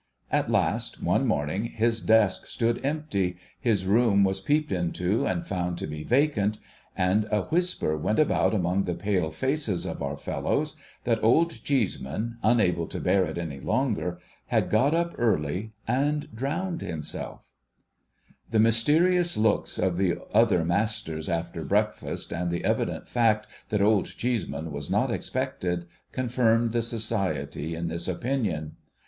At last, one morning, his desk stood empty, his room was peeped into, and found to be vacant, and a whisper went about among the pale faces of our fellows that Old Cheeseman, unable to bear it any longer, had got up early and drowned himself. GOOD FORTUNE OF OLD CHEESEMAN 47 The mysterious looks of the other masters after breakfast, and the evident fact that Old Cheeseman was not expected, confirmed the Society in this opinion.